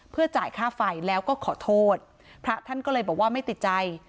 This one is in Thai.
เพื่อจ่ายค่าไฟแล้วก็ขอโทษพระท่านก็เลยบอกว่าไม่ติดใจ